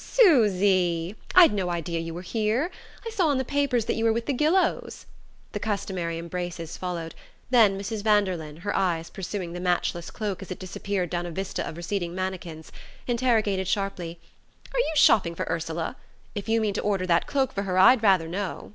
"Susy! I'd no idea you were here! I saw in the papers that you were with the Gillows." The customary embraces followed; then Mrs. Vanderlyn, her eyes pursuing the matchless cloak as it disappeared down a vista of receding mannequins, interrogated sharply: "Are you shopping for Ursula? If you mean to order that cloak for her I'd rather know."